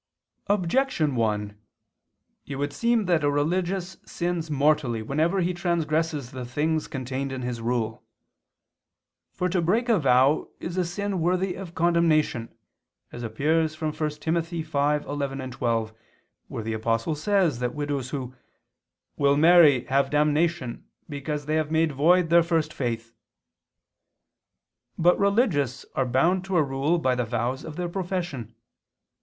Objection 1: It would seem that a religious sins mortally whenever he transgresses the things contained in his rule. For to break a vow is a sin worthy of condemnation, as appears from 1 Tim. 5:11, 12, where the Apostle says that widows who "will marry have [Vulg.: 'having'] damnation, because they have made void their first faith." But religious are bound to a rule by the vows of their profession.